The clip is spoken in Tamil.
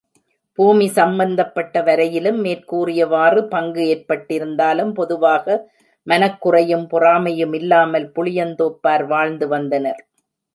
பூமி சம்மந்தப்பட்ட வரையிலும், மேற் கூறியவாறு பங்கு ஏற்பட்டிருந்தாலும், பொதுவாக மனக்குறையும், பொறாமையுமில்லாமல், புளியந்தோப்பார் வாழ்ந்து வந்தனர்.